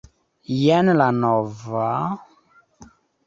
Jen la nova...